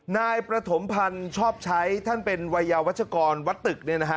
นายประถมพันธ์ชอบใช้ท่านเป็นวัยยาวัชกรวัดตึก